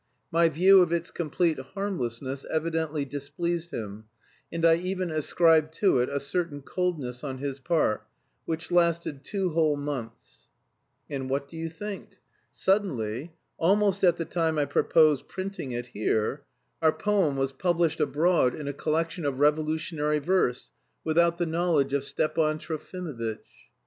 My view of its complete harmlessness evidently displeased him, and I even ascribe to it a certain coldness on his part, which lasted two whole months. And what do you think? Suddenly, almost at the time I proposed printing it here, our poem was published abroad in a collection of revolutionary verse, without the knowledge of Stepan Trofimovitch.